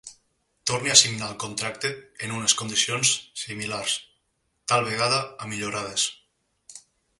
Torni a signar el contracte en unes condicions similars, tal vegada amillorades.